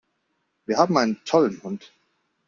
Wir haben einen tollen Hund!